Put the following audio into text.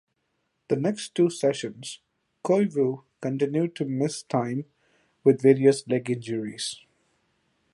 The next two seasons, Koivu continued to miss time with various leg injuries.